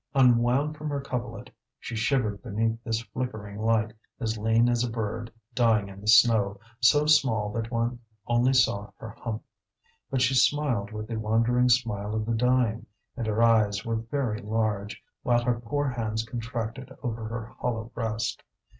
Unwound from her coverlet, she shivered beneath this flickering light, as lean as a bird dying in the snow, so small that one only saw her hump. But she smiled with the wandering smile of the dying, and her eyes were very large; while her poor hands contracted over her hollow breast.